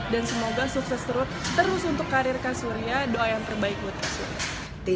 dan semoga sukses terus untuk karir kas surya doa yang terbaik buat kas surya